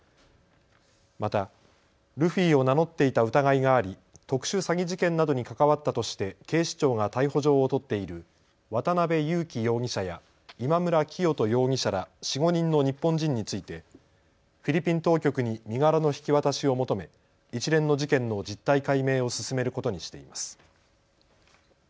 またルフィを名乗っていた疑いがあり特殊詐欺事件などに関わったとして警視庁が逮捕状を取っている渡邉優樹容疑者や今村磨人容疑者ら４、５人の日本人についてフィリピン当局に身柄の引き渡しを求め、一連の事件の実態解明を進めることにしています。